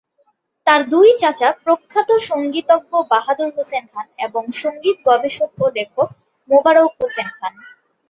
তার দুই চাচা প্রখ্যাত সঙ্গীতজ্ঞ বাহাদুর হোসেন খান এবং সঙ্গীত গবেষক ও লেখক মোবারক হোসেন খান।